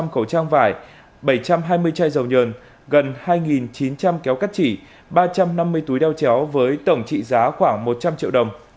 bốn năm trăm linh khẩu trang vải bảy trăm hai mươi chai dầu nhờn gần hai chín trăm linh kéo cắt chỉ ba trăm năm mươi túi đeo chéo với tổng trị giá khoảng một trăm linh triệu đồng